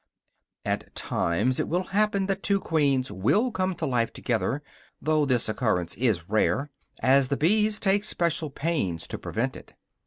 At times it will happen that two queens will come to life together, though this occurrence is rare, as the bees take special pains to prevent it.